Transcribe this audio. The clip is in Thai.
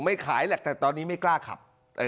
ขายแหละแต่ตอนนี้ไม่กล้าขับ